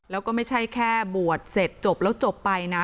แล้วก็ไม่ใช่แค่บวชเสร็จจบแล้วจบไปนะ